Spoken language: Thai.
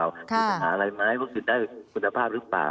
ค่ะถูกต้องหาอะไรไหมว่าคือได้คุณภาพหรือเปล่า